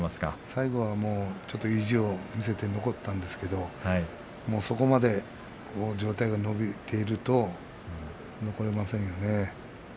最後は意地を見せて残ったんですがもうそこまで上体が伸びていると残れませんよね。